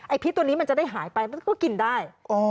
พิษตัวนี้มันจะได้หายไปมันก็กินได้